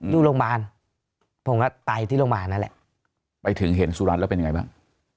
อยู่โรงพยาบาลผมก็ไตที่โรงพยาบาลนั่นแหละไปถึงเห็นสุรัตน์แล้วเป็นยังไงบ้าง